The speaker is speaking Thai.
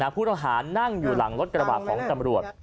ผู้ตำรวจนั่งอยู่หลังรถกระหว่างของตำรวจ